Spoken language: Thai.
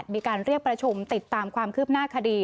มีการเรียกประชุมติดตามความคืบหน้าคดี